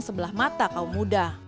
sebelah mata kaum muda